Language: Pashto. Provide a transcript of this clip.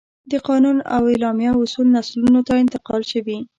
د قانون او اعلامیه اصول نسلونو ته انتقال شوي.